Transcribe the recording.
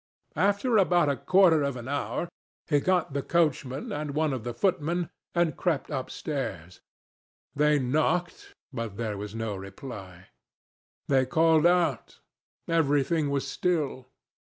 After about a quarter of an hour, he got the coachman and one of the footmen and crept upstairs. They knocked, but there was no reply. They called out. Everything was still.